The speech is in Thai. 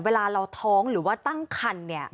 เวลาเราท้องหรือว่าตั้งคันเนี่ย